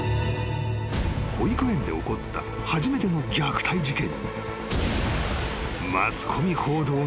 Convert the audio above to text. ［保育園で起こった初めての虐待事件に］